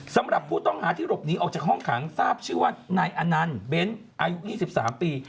สำหรับผู้ต้องหาที่หลบหนีออกจากห้องขังทราบชื่อว่านายอนันต์เบ้นอายุ๒๓ปี